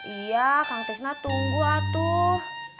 iya kang tisna tunggu atuh